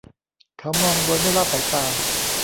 เขามองโดยไม่ละสายตา